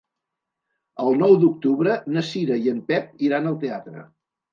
El nou d'octubre na Cira i en Pep iran al teatre.